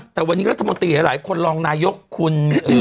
แต่วันนี้รัฐมนตรีหลายคนรองนายกคุณ